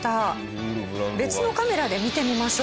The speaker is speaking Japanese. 別のカメラで見てみましょう。